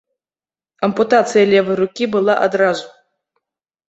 Ампутацыя левай рукі была адразу.